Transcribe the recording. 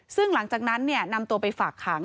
ซึ่งหลังจากนั้นนำตัวไปฝากขัง